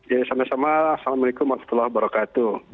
ya sama sama assalamualaikum warahmatullahi wabarakatuh